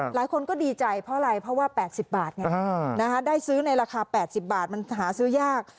หลายคนก็ดีใจเพราะอะไรเพราะว่า๘๐บาทไงได้ซื้อในราคา๘๐บาทมันหาซื้อยาก